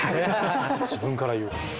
自分から言う。